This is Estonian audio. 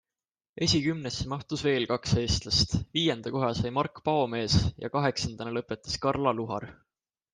Esikümnesse mahtus veel kaks eestlast - viienda koha sai Mark Paomees ning kaheksandana lõpetas Karla Luhar.